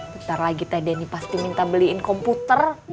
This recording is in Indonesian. bentar lagi teh denny pasti minta beliin komputer